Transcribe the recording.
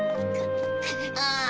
ああ。